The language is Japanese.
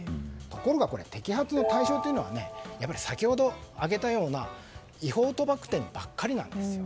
ところが摘発の対象というのは先ほど挙げたような違法賭博店ばかりなんですよ。